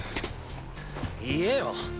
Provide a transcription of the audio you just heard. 言えよ。